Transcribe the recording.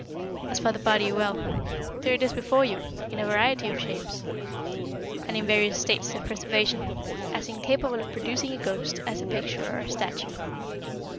As for the body well, there it is before you, in a variety of shapes, and in various states of preservation, as incapable of producing a ghost as a picture or a statue.